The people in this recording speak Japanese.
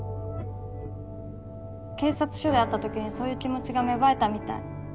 警察署で会った時にそういう気持ちが芽生えたみたい。